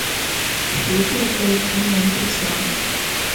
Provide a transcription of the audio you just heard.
胡顺妃卒年不详。